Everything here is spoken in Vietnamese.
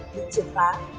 bị trưởng phá